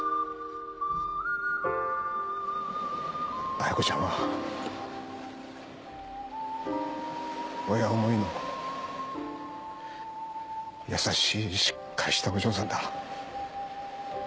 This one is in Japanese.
絢子ちゃんは親思いの優しいしっかりしたお嬢さんだ。